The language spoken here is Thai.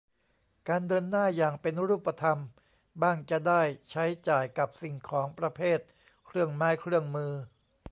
การเดินหน้าอย่างเป็นรูปธรรม บ้างจะได้ใช้จ่ายกับสิ่งของประเภทเครื่องไม้เครื่องมือ